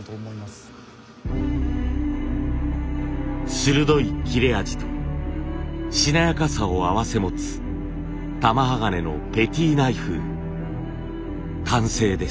鋭い切れ味としなやかさを併せ持つ玉鋼のペティナイフ完成です。